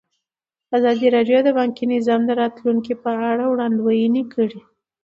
ازادي راډیو د بانکي نظام د راتلونکې په اړه وړاندوینې کړې.